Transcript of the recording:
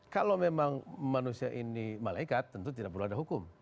kalau memang manusia ini malaikat tentu tidak perlu ada hukum